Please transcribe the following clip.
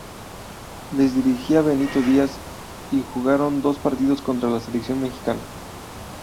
Les dirigía Benito Díaz y jugaron dos partidos contra la selección mexicana.